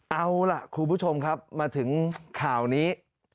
เอาล่ะคุณผู้ชมครับมาถึงข่าวนี้